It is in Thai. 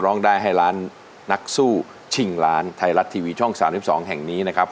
ร้องได้ให้ล้านนักสู้ชิงล้านไทยรัฐทีวีช่อง๓๒แห่งนี้นะครับ